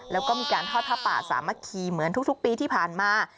แล้วก็มีการทอดผ้าป่าสามัคคีเหมือนทุกปีที่ผ่านมา